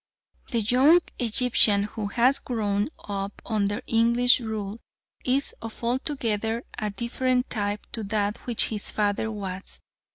The young Egyptian who has grown up under English rule is of altogether a different type to that which his father was.